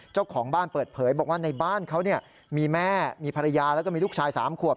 เจ้าของบ้านเปิดเผยบอกว่าในบ้านเขามีแม่มีภรรยาแล้วก็มีลูกชาย๓ขวบ